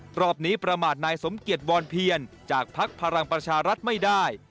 รอบนี้ประมาทนายสมเกียจวรเพียรจากภักดิ์พลังประชารัฐไม่ได้